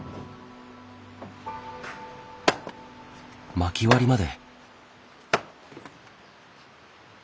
まき割りまで。